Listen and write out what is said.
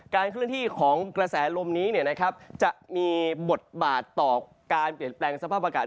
เคลื่อนที่ของกระแสลมนี้จะมีบทบาทต่อการเปลี่ยนแปลงสภาพอากาศ